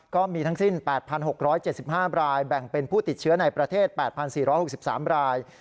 ก็มีทั้งสิ้น๘๖๗๕รายแบ่งเป็นผู้ติดเชื้อในประเทศ๘๔๖๓ราย